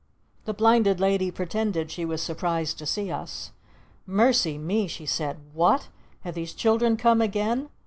The Blinded Lady pretended she was surprised to see us. "Mercy me!" she said. "What? Have these children come again?